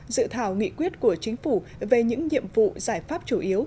dự thảo nghị quyết của chính phủ về những nhiệm vụ giải pháp chủ yếu